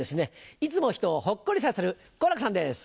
いつも人をホッコリさせる好楽さんです。